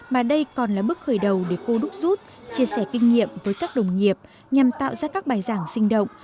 mà đây còn là bước khởi đầu để cô đúc rút chia sẻ kinh nghiệm với các đồng nghiệp nhằm tạo ra các bài giảng sinh động